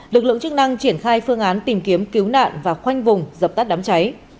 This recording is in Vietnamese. lực lượng chức năng triển khai phương án tìm kiếm cứu nạn và khoanh vùng dập tắt đám cháy